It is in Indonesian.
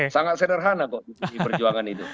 sangat sederhana kok di perjuangan itu